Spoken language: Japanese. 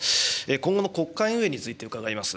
今後の国会運営について伺います。